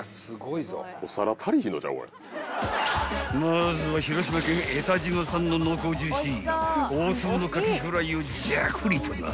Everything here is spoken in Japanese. ［まずは広島県江田島産の濃厚ジューシー大粒のカキフライをジャクリとな］